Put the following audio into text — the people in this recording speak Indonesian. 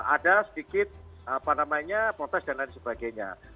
ada sedikit protes dan lain sebagainya